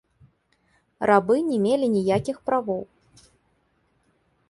Рабы не мелі ніякіх правоў.